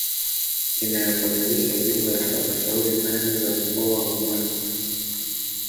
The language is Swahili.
Inayokamilisha jumla ya halmashauri nane za mkoa wa Mwanza